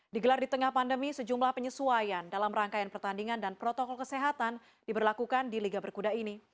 digelar di tengah pandemi sejumlah penyesuaian dalam rangkaian pertandingan dan protokol kesehatan diberlakukan di liga berkuda ini